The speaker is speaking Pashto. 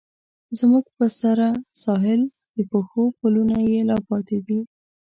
زموږ په سره ساحل، د پښو پلونه یې لا پاتې دي